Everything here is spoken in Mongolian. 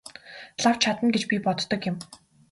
Лав чадна гэж би боддог юм.